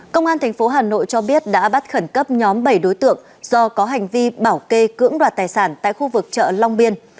công an tp hà nội cho biết đã bắt khẩn cấp nhóm bảy đối tượng do có hành vi bảo kê cưỡng đoạt tài sản tại khu vực chợ long biên